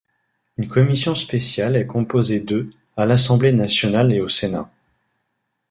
Une commission spéciale est composée de à l’Assemblée nationale et au Sénat.